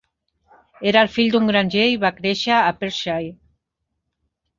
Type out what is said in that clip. Era el fill d'un granger i va créixer a Perthshire.